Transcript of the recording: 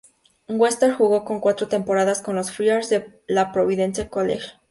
Western jugó cuatro temporadas con los "Friars" de la Providence College.